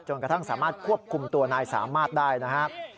กระทั่งสามารถควบคุมตัวนายสามารถได้นะครับ